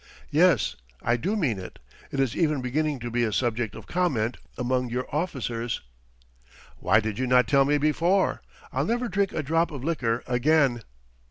"Yes, I do mean it. It is even beginning to be a subject of comment among your officers." "Why did you not tell me before? I'll never drink a drop of liquor again."